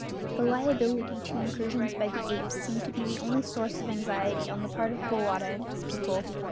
The liability to incursions by the apes seemed to be the only source of anxiety on the part of Bowata and his people.